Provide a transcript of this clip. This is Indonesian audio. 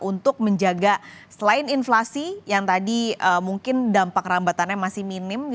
untuk menjaga selain inflasi yang tadi mungkin dampak rambatannya masih minim